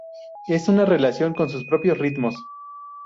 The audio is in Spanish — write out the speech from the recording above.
Es una relación con sus propios ritmos.